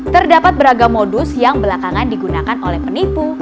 terdapat beragam modus yang belakangan digunakan oleh penipu